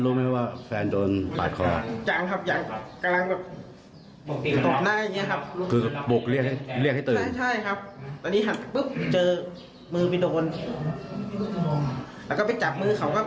แล้วก็ไปจับมือเขาก็มีบาดมือด้วยครับบาดแขนนะครับ